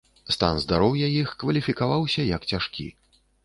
Стан здароўя іх кваліфікаваўся як цяжкі.